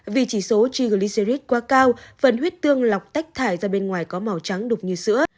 vì chỉ số glycid quá cao phần huyết tương lọc tách thải ra bên ngoài có màu trắng đục như sữa